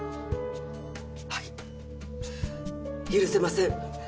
はい許せません。